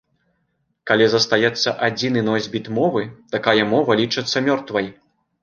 Калі застаецца адзіны носьбіт мовы, такая мова лічыцца мёртвай.